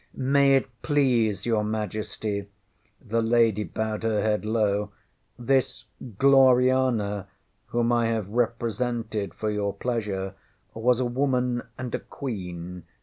ŌĆÖ ŌĆśMay it please your MajestyŌĆÖ the lady bowed her head low ŌĆśthis Gloriana whom I have represented for your pleasure was a woman and a Queen.